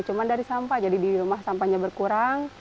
cuma dari sampah jadi di rumah sampahnya berkurang